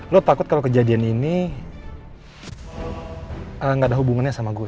lo takut kalau kejadian ini nggak ada hubungannya sama gue